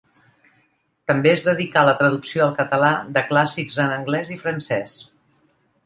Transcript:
També es dedicà a la traducció al català de clàssics en anglès i francès.